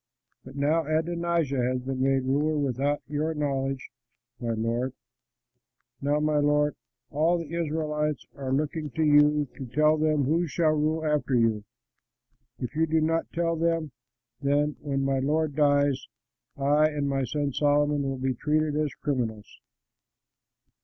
But now Adonijah has been made ruler without your knowledge, my lord! Now, my lord, all the Israelites are looking to you, to tell them who shall rule after you. If you do not tell them, then, when my lord dies, I and my son Solomon will be treated as criminals."